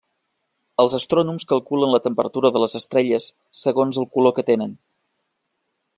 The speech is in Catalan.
Els astrònoms calculen la temperatura de les estrelles segons el color que tenen.